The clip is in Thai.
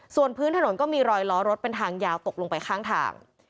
ส่วนพื้นถนนก็มีรอยล้อรถเป็นทางยาวตกลงไปข้างทาง